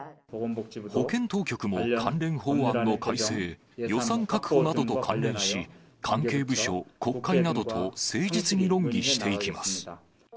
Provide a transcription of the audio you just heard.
保健当局も関連法案の改正、予算確保などと関連し、関係部署、国会などと誠実に論議していきます。